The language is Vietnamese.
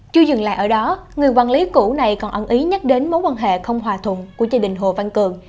chưa dừng lại ở đó người quản lý cũ này còn ẩn ý nhắc đến mối quan hệ không hòa thuận của gia đình hồ văn cường